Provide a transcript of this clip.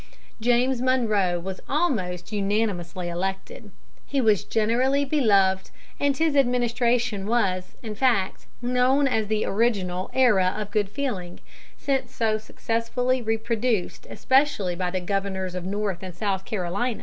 James Monroe was almost unanimously elected. He was generally beloved, and his administration was, in fact, known as the original "era of good feeling," since so successfully reproduced especially by the Governors of North and South Carolina.